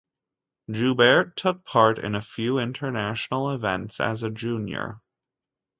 Joubert took part in few international events as a junior.